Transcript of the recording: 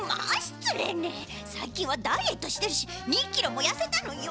さいきんはダイエットしてるし２キロもやせたのよ！